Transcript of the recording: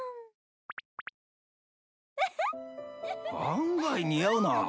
案外似合うなぁ。